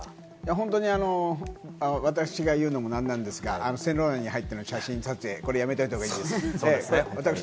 本当に私が言うのもなんなんですが、線路内に入っての写真撮影、これやめておいた方がいいです。